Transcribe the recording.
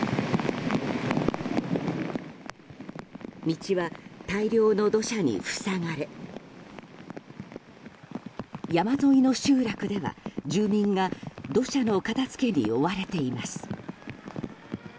道は大量の土砂に塞がれ山沿いの集落では、住民が土砂の片付けに追われています。